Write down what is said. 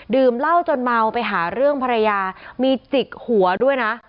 เหล้าจนเมาไปหาเรื่องภรรยามีจิกหัวด้วยนะ